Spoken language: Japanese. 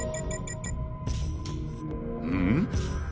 うん？